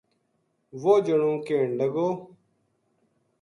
وہ جنو کہن لگو